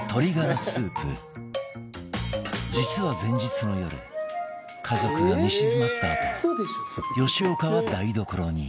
実は前日の夜家族が寝静まったあと吉岡は台所に